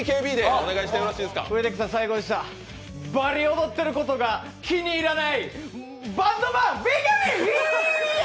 バリ踊ってることが気に入らないバンドマン、ＢＫＢ、ヒィーア！